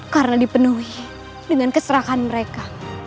karena dipenuhi dengan keserakan mereka